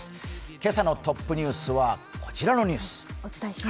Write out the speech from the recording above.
今朝のトップニュースはこちらのニュース。